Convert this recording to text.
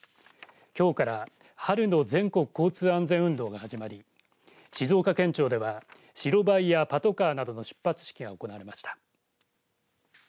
きょうから春の全国交通安全運動が始まり静岡県庁では白バイやパトカーなどの出発式が行われました。